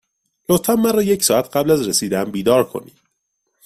لطفا مرا یک ساعت قبل از رسیدن بیدار کنید.